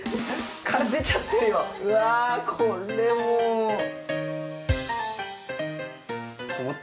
うわこれもう。